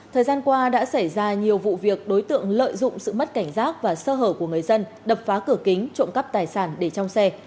thời gian qua đã xảy ra nhiều vụ việc đối tượng lợi dụng sự mất cảnh giác và sơ hở của người dân đập phá cửa kính trộm cắp tài sản để trong xe